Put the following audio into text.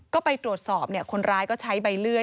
ก็ไปตรวจสอบคนร้ายก็ใช้ใบเลื่อย